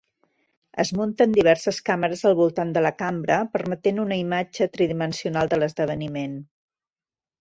Es munten diverses càmeres al voltant de la cambra, permetent una imatge tridimensional de l'esdeveniment.